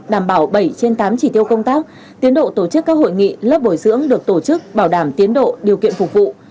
đảm bảo bảy trên tám chỉ tiêu công tác tiến độ tổ chức các hội nghị lớp bồi dưỡng được tổ chức bảo đảm tiến độ điều kiện phục vụ